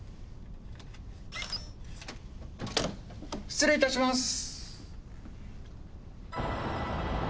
失礼いたします。